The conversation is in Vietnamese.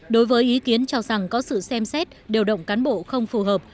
đối với ý kiến cho rằng có sự xem xét điều động cán bộ không phù hợp